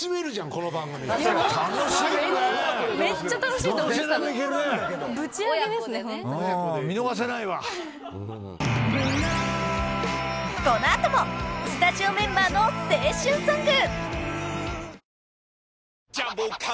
［この後もスタジオメンバーの青春ソング］